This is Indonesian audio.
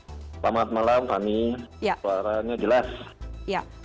selamat malam fani suaranya jelas